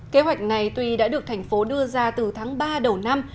kế hoạch này tuy đã được thành phố đưa ra từ tháng ba đầu năm